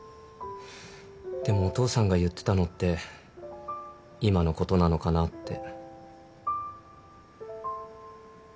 でもお父さんが言ってたのって今のことなのかなって。